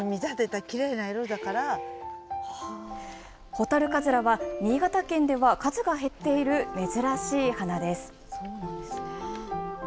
ホタルカズラは、新潟県では数が減っている珍しい花です。